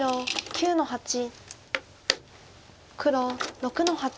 黒６の八。